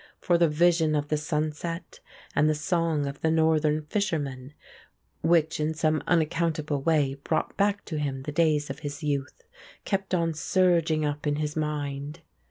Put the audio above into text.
For the vision of the sunset and the song of the Northern fisherman, which in some unaccountable way brought back to him the days of his youth, kept on surging up in his mind.